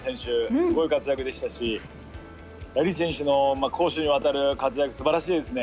すごい活躍でしたしライリー選手の攻守にわたる活躍すばらしいですね。